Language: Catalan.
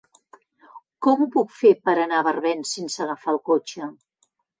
Com ho puc fer per anar a Barbens sense agafar el cotxe?